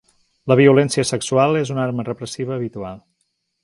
La violència sexual és una arma repressiva habitual.